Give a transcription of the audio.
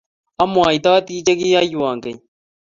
Amwaitooti che kiyaiywa keny,